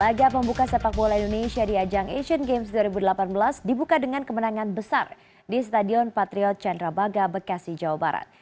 laga pembuka sepak bola indonesia di ajang asian games dua ribu delapan belas dibuka dengan kemenangan besar di stadion patriot candrabaga bekasi jawa barat